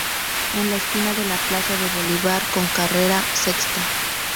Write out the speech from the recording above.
En la esquina de la Plaza de Bolívar con carrera sexta.